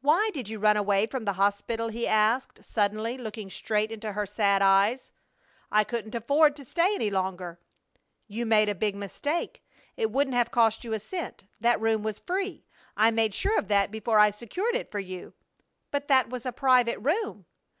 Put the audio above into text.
"Why did you run away from the hospital?" he asked, suddenly, looking straight into her sad eyes. "I couldn't afford to stay any longer." "You made a big mistake. It wouldn't have cost you a cent. That room was free. I made sure of that before I secured it for you." "But that was a private room!"